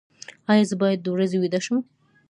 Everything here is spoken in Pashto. ایا زه باید د ورځې ویده شم؟